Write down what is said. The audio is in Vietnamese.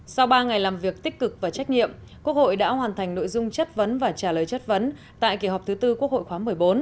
sau ba ngày làm việc tích cực và trách nhiệm quốc hội đã hoàn thành nội dung chất vấn và trả lời chất vấn tại kỳ họp thứ tư quốc hội khóa một mươi bốn